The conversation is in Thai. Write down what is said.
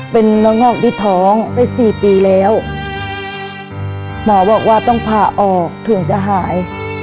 เป็นน้องห้องที่ท้องไป๔ปีแล้วหมอบอกว่าต้องพาออกถึงจะหาย